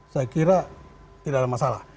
saya kira tidak ada masalah